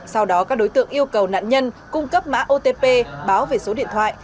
sau đó các đối tượng yêu cầu nạn nhân cung cấp mã otp báo về số điện thoại